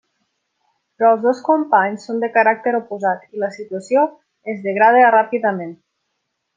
Però els dos companys són de caràcter oposat i la situació es degrada ràpidament.